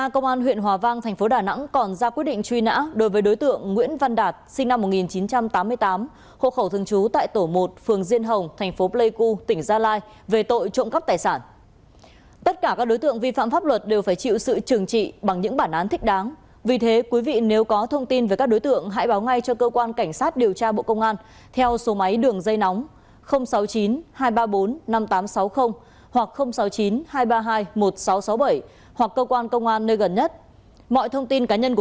cũng phạm tội lạm dụng tín nhiệm chiếm đặt tài sản và phải nhận quyết định truy nã của công an huyện hòa vang tp đà nẵng là đối tượng huỳnh văn thuận sinh năm một nghìn chín trăm tám mươi hộ khẩu thường trú tại thôn an ngãi tây một xã hòa sơn huyện hòa vang tp đà nẵng